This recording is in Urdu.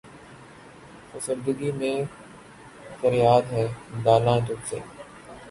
فسردگی میں ہے فریادِ بے دلاں تجھ سے